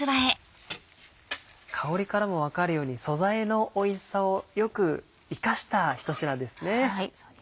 香りからも分かるように素材のおいしさをよく生かした一品ですね。